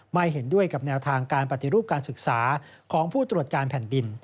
ไม่เห็นด้วยกับแนวทางการปฏิรูปการศึกษาของผู้ตรวจการแผ่นดิน